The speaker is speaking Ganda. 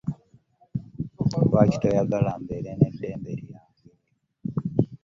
Lwaki toyagala mbeere n'eddembe lyange?